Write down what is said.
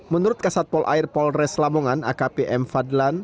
menurut kasatpol air polres lamongan akpm fadlan